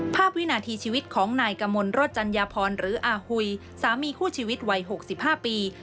วินาทีชีวิตของนายกมลรถจัญญาพรหรืออาหุยสามีคู่ชีวิตวัย๖๕ปี